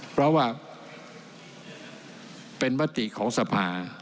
เพราะว่าเป็นมติของสภา